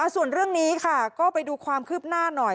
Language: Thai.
ส่วนเรื่องนี้ค่ะก็ไปดูความคืบหน้าหน่อย